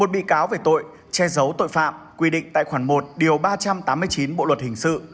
một bị cáo về tội che giấu tội phạm quy định tại khoản một điều ba trăm tám mươi chín bộ luật hình sự